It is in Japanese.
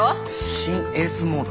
シン・エースモード？